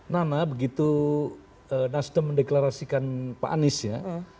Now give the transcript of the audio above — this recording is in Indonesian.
nana begitu nasdem mendeklarasikan pak anies ya